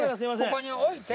ここに置いて。